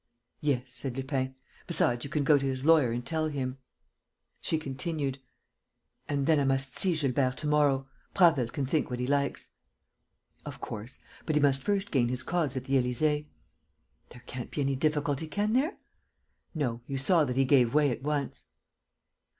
"Yes," said Lupin. "Besides, you can go to his lawyer and tell him." She continued: "And then I must see Gilbert to morrow. Prasville can think what he likes." "Of course. But he must first gain his cause at the Élysée." "There can't be any difficulty, can there?" "No. You saw that he gave way at once."